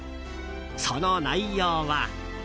その内容は。